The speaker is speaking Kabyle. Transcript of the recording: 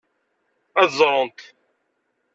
Ad ẓrent.